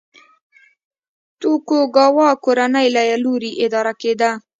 توکوګاوا کورنۍ له لوري اداره کېده.